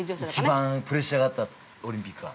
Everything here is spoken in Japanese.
◆一番プレッシャーがあったオリンピックは？